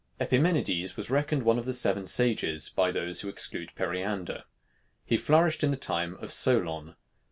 Epimenides was reckoned one of the seven sages by those who exclude Periander. He flourished in the time of Solon.